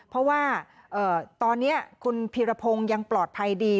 เพราะว่าตอนนี้คุณพีรพงศ์ยังปลอดภัยดี